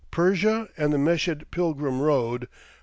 PERSIA AND THE MESHED PILGRIM ROAD.